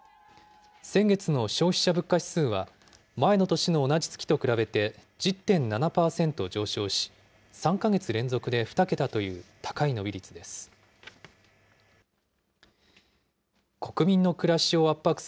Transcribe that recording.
先月の消費者物価指数は、前の年の同じ月と比べて１０．７％上昇し、３か月連続で２桁という高い伸び率です。